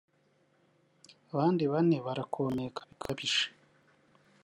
abandi bane barakomeka bikabije